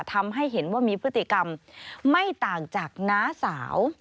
ทำให้เห็นว่ามีพฤติกรรมไม่ต่างจากน้าสาว